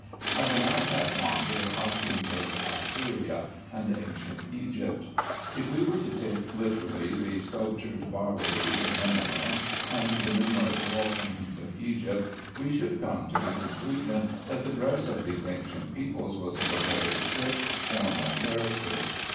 I will now pass on to the costumes of Assyria and ancient Egypt. If we were to take literally the sculptured bas reliefs of Nineveh, and the numerous wall paintings of Egypt, we should come to the conclusion that the dress of those ancient peoples was of a very stiff, formal character.